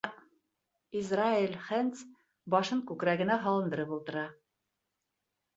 Израэль Хэндс башын күкрәгенә һалындырып ултыра.